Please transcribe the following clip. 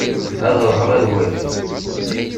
Ad ruḥeɣ ad waliɣ.